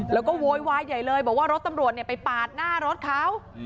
แล้วก็โวยวายใหญ่เลยบอกว่ารถตำรวจไปปาดหน้ารถเขา